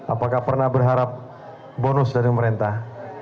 apakah pernah berharap bonus dari pemerintah